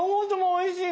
おいしい！